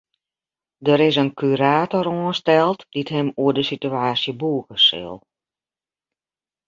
Der is in kurator oansteld dy't him oer de sitewaasje bûge sil.